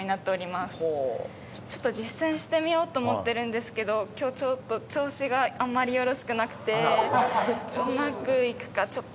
実践してみようと思ってるんですけど今日ちょっと調子があんまりよろしくなくてうまくいくかちょっとってなってて。